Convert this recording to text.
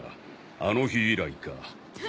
あの日以来か。